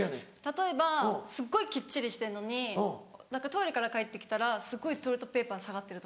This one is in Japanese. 例えばすっごいきっちりしてんのにトイレから帰ってきたらすごいトイレットペーパー下がってるとか。